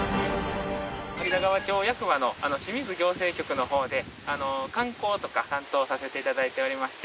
有田川町役場の清水行政局の方で観光とか担当させて頂いておりまして。